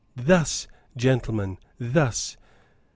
Thus, gentlemen, thus."